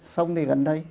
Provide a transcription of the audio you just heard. sông thì gần đây